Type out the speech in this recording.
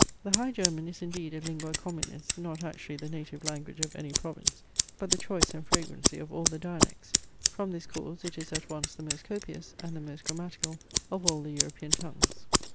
The High German is indeed a lingua communis, not actually the native language of any province, but the choice and fragrancy of all the dialects. From this cause it is at once the most copious and the most grammatical of all the European tongues.